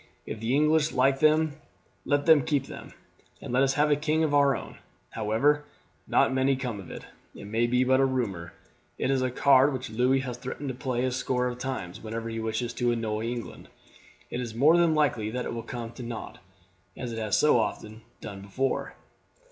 If the English like them let them keep them, and let us have a king of our own. However, nought may come of it; it may be but a rumour. It is a card which Louis has threatened to play a score of times, whenever he wishes to annoy England. It is more than likely that it will come to nought, as it has so often done before."